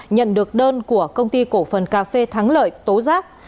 nhận được đơn của công ty cổ phần cà phê thắng lợi tố giác